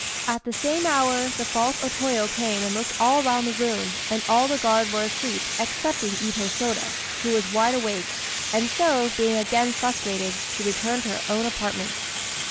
At the same hour, the false O Toyo came and looked all round the room, and all the guard were asleep, excepting Itô Sôda, who was wide awake; and so, being again frustrated, she returned to her own apartments.